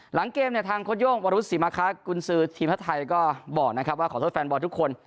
หลังเกมเนี่ยทางโค้โย่งวรุษศิมาคะกุญสือทีมชาติไทยก็บอกนะครับว่าขอโทษแฟนบอลทุกคน